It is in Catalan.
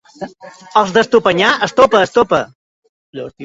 Els d'Estopanyà, estopa, estopa.